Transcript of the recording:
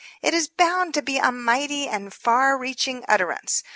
It is bound to be a mighty and far reaching utterance.